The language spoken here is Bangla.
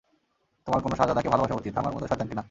তোমার কোনো শাহজাদাকে ভালোবাসা উচিত, আমার মতো শয়তানকে না।